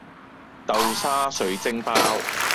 豆沙水晶包